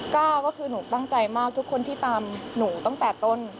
ก็คือหนูตั้งใจมากทุกคนที่ตามหนูตั้งแต่ต้น